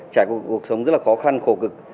trải cuộc sống rất là khó khăn khổ cực